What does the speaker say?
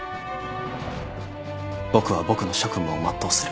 僕は僕の職務を全うする。